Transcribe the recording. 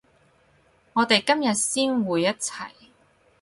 我哋今日先會一齊